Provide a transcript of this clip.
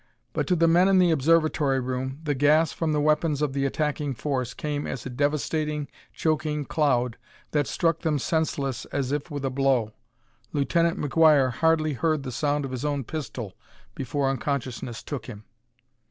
But to the men in the observatory room the gas from the weapons of the attacking force came as a devastating, choking cloud that struck them senseless as if with a blow. Lieutenant McGuire hardly heard the sound of his own pistol before unconsciousness took him.